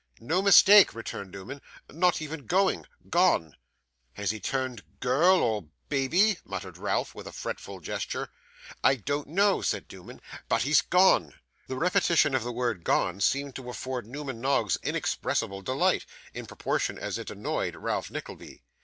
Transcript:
'No mistake,' returned Newman. 'Not even going; gone.' 'Has he turned girl or baby?' muttered Ralph, with a fretful gesture. 'I don't know,' said Newman, 'but he's gone.' The repetition of the word 'gone' seemed to afford Newman Noggs inexpressible delight, in proportion as it annoyed Ralph Nickleby.